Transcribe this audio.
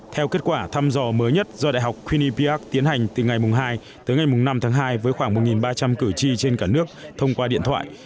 theo kết quả thăm dò mới nhất do đại học qunepiac tiến hành từ ngày hai tới ngày năm tháng hai với khoảng một ba trăm linh cử tri trên cả nước thông qua điện thoại